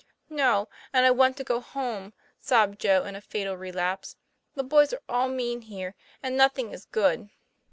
'No; and I want to go home," sobbed Joe, in a fatal relapse. 'The boys are all mean here; and nothing is good."